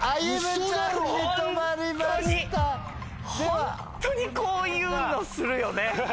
ホントにこういうのするよね！